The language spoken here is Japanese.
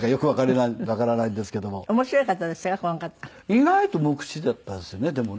意外と無口だったですよねでもね。